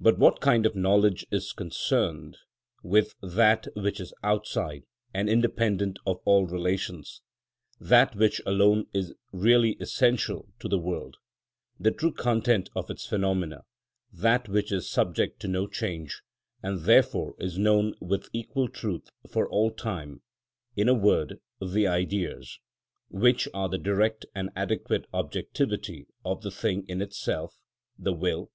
But what kind of knowledge is concerned with that which is outside and independent of all relations, that which alone is really essential to the world, the true content of its phenomena, that which is subject to no change, and therefore is known with equal truth for all time, in a word, the Ideas, which are the direct and adequate objectivity of the thing in itself, the will?